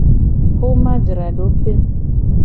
Xomajradope.